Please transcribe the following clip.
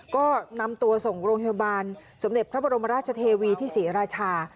ก็นำตัวส่งโรงพยาบาลสมเด็จพระบรมราชเทวีที่ศรีราชา